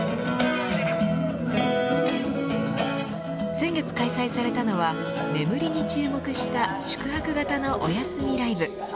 先月開催されたのは眠りに注目した宿泊型のおやすみライブ。